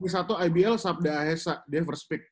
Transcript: dan satu ibl sabda ayesa dia first pick